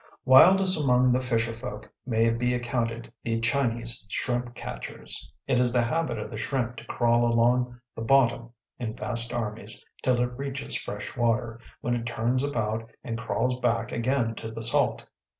Wildest among the fisher folk may be accounted the Chinese shrimp catchers. It is the habit of the shrimp to crawl along the bottom in vast armies till it reaches fresh water, when it turns about and crawls back again to the salt.